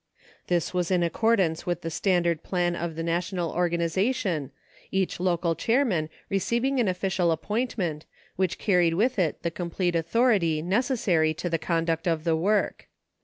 This was in accordance with the standard plan of the national organ ization, each local chairman receiving an official appoint ment which carried with it the complete authority neces sary to the conduct of the work.